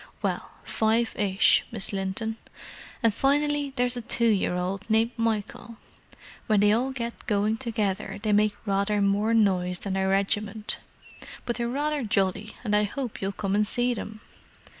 "Well, five ish, Miss Linton. And finally there's a two year old named Michael. And when they all get going together they make rather more noise than a regiment. But they're rather jolly, and I hope you'll come and see them."